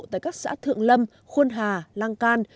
tại các xã thượng lâm khuôn hà lang can